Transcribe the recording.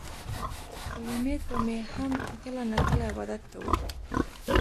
رومېټ به مې هم کله نا کله عبادت کوو